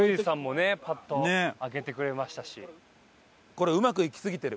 これうまくいきすぎてる。